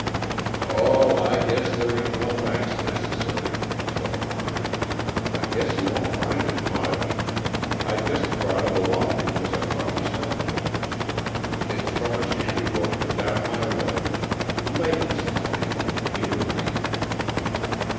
"Oh, I guess there ain't no thanks necessary," said the farmer. "I guess you won't find it much. I just brought it along because I promised I would. It's from a shanty boatman down my way Lane 's his name Peter Lane."